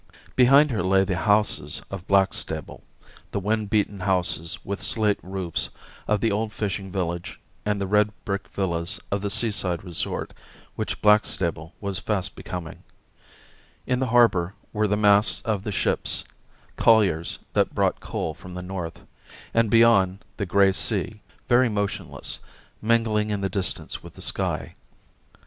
Behind her lay the houses of Blackstable, the wind beaten houses with slate roofs of the old fishing village and the red brick villas of the seaside resort which Blackstable was fast becoming ; in the harbour were the masts of the ships, colliers that brought coal from the north ; and beyond, the grey sea, very motionless, mingling in the distance with the sky.